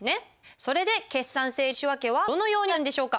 それで決算整理仕訳はどのようになるんでしょうか？